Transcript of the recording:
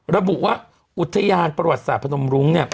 ระบุว่าอุทยานประวัติศาสตร์พนมรุ้งเนี่ย